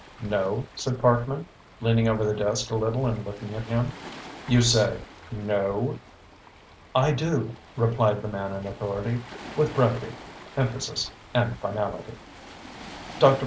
"No?" said Parkman, leaning over the desk a little and looking at him. "You say no?" "I do," replied the man in authority, with brevity, emphasis and finality. Dr.